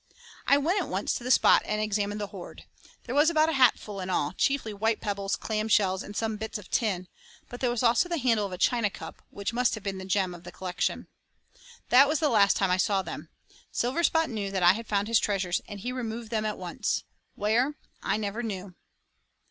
I went at once to the spot and examined the hoard; there was about a hatfull in all, chiefly white pebbles, clam shells, and some bits of tin, but there was also the handle of a china cup, which must have been the gem of the collection. That was the last time I saw them. Silverspot knew that I had found his treasures, and he removed them at once; where, I never knew.